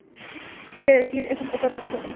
Quiero decir, es un poco de esas cosas.